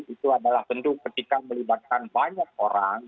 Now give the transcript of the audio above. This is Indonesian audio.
itu adalah tentu ketika melibatkan banyak orang